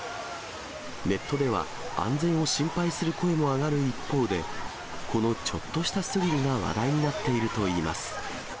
ネットでは安全を心配する声も上がる一方で、このちょっとしたスリルが話題になっているといいます。